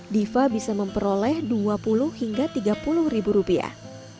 diva bisa memperoleh dua puluh hingga tiga puluh ribu rupiah